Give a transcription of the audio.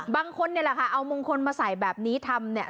บางคนเนี่ยแหละค่ะเอามงคลมาใส่แบบนี้ทำเนี่ย